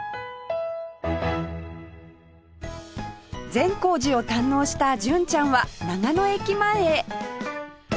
善光寺を堪能した純ちゃんは長野駅前へ